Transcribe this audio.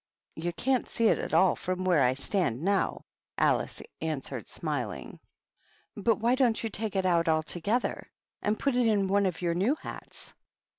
"You can't see it at all from where I stand now," Alice answered, smiling; "but why don't you take it out altogether and put it in one of your new hats?"